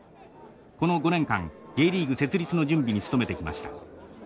この５年間Ｊリーグ設立の準備に努めてきました。